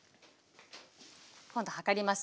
今度量ります。